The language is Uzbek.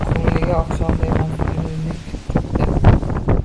Ko‘ngliga oqshomday ma’yuslik cho‘kdi.